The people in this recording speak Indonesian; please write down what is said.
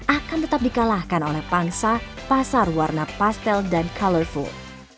akan tetap dikalahkan oleh pangsa pasar warna pastel dan colorful